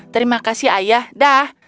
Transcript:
terima kasih ayah dah